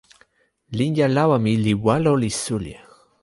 linja lawa mi li walo li suli.